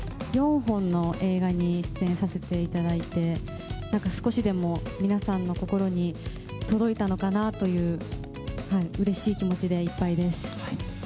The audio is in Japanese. ４本の映画に出演させていただいて、なんか少しでも皆さんの心に届いたのかなという、うれしい気持ちでいっぱいです。